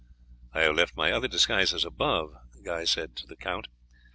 "I have left my other disguises above," he said to the count.